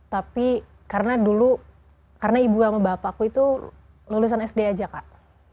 tapi karena dulu karena ibu sama bapakku itu lulusan sd aja kak